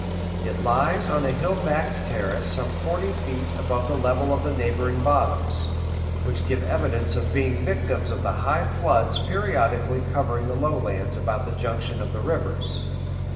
It lies on a hill backed terrace some forty feet above the level of the neighboring bottoms, which give evidence of being victims of the high floods periodically covering the low lands about the junction of the rivers.